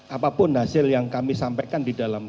apapun hasil yang kami sampaikan di dalam